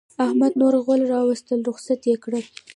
احمد نور غول راوستل؛ رخصت يې کړه.